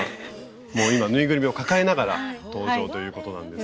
もう今ぬいぐるみを抱えながら登場ということなんですが。